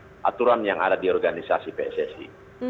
dan juga aturan yang ada di organisasi pssi